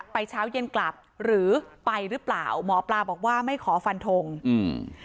เช้าเย็นกลับหรือไปหรือเปล่าหมอปลาบอกว่าไม่ขอฟันทงอืม